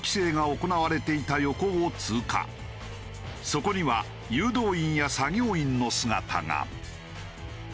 そこには誘導員や作業員の姿が。